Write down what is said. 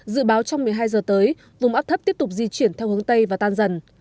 dự báo trong một mươi hai giờ tới vùng áp thấp tiếp tục di chuyển theo hướng tây và tan dần